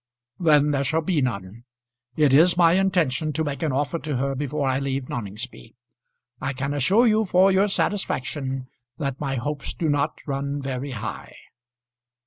"Then there shall be none. It is my intention to make an offer to her before I leave Noningsby. I can assure you for your satisfaction, that my hopes do not run very high."